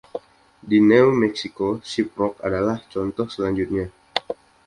Di New Mexico, Shiprock adalah contoh selanjutnya.